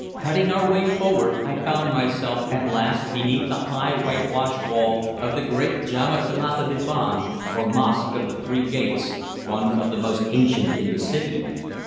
Cutting our way forward, I found myself at last beneath the high whitewashed wall of the great Djamäa Thelatha Biban, or Mosque of the Three Gates, one of the most ancient in the city.